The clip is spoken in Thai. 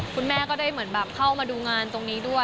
คุณแม่ก็ได้เหมือนแบบเข้ามาดูงานตรงนี้ด้วย